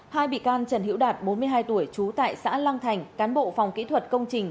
hai bị can trần hiễu đạt bốn mươi hai tuổi trú tại xã lăng thành cán bộ phòng kỹ thuật công trình